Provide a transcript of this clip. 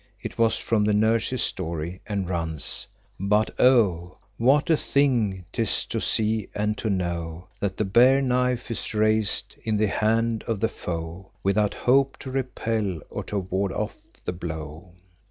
It was from "The Nurse's Story," and runs, "But, oh! what a thing 'tis to see and to know That the bare knife is raised in the hand of the foe, Without hope to repel or to ward off the blow!"